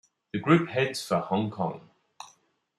The group heads for Hong Kong.